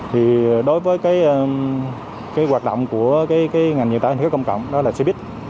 thì đối với cái hoạt động của cái ngành dự tả hình thức công cộng đó là xe buýt